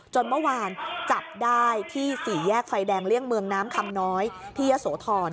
เมื่อวานจับได้ที่สี่แยกไฟแดงเลี่ยงเมืองน้ำคำน้อยที่ยะโสธร